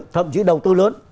thậm chí đầu tư lớn